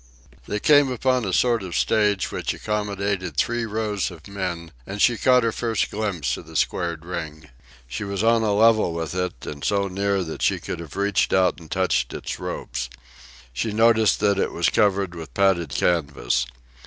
They came upon a sort of stage, which accommodated three rows of men; and she caught her first glimpse of the squared ring. She was on a level with it, and so near that she could have reached out and touched its ropes. She noticed that it was covered with padded canvas.